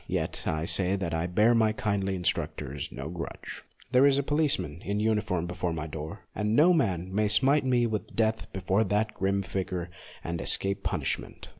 Yet I say that I bear my kindly instructors no grudge. There is a policeman in uniform before my door, and no man may smite me with death before that grim figure and escape punishment.